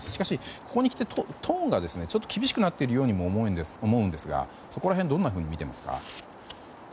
ここにきてトーンが厳しくなっているようにも思いますがそこら辺どんなふうにみていますか？